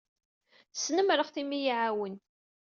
Snemmreɣ-t imi i iyi-iɛawen.